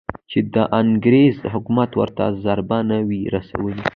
چې د انګریز حکومت ورته ضرر نه وي رسولی.